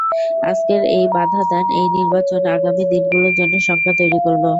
আজকের এই বাধাদান, এই নির্বাচন আগামী দিনগুলোর জন্য শঙ্কা তৈরি করল।